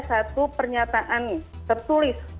satu pernyataan tertulis